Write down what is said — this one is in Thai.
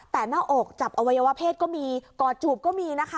แต่หน้าอกจับอวัยวะเพศก็มีกอดจูบก็มีนะคะ